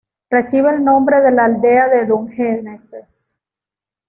Recibe el nombre de la aldea de Dungeness.